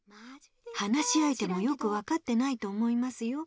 話しあいてもよくわかってないと思いますよ。